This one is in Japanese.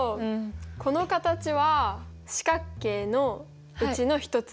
この形は四角形のうちの１つです。